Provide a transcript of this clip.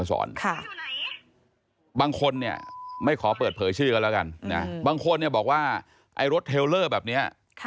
บางคนไม่ขอเปิดเผยชื่อแล้วกันบางคนบอกว่ารถเทลเลอร์แบบนี้